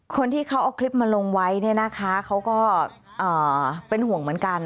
คนที่เขาเอาคลิปมาลงไว้เนี่ยนะคะเขาก็เป็นห่วงเหมือนกัน